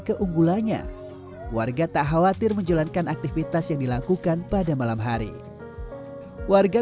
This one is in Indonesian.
keunggulannya warga tak khawatir menjalankan aktivitas yang dilakukan pada malam hari warga